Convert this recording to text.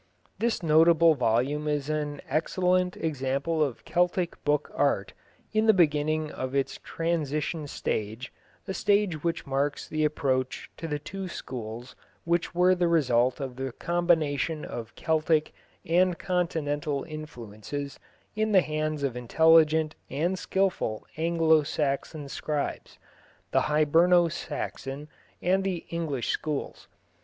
_)] This notable volume is an excellent example of Celtic book art in the beginning of its transition stage, a stage which marks the approach to the two schools which were the result of the combination of Celtic and continental influences in the hands of intelligent and skilful Anglo Saxon scribes the Hiberno Saxon and the English schools.